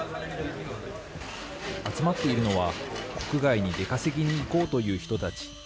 集まっているのは国外に出稼ぎに行こうという人たち。